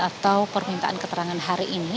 atau permintaan keterangan hari ini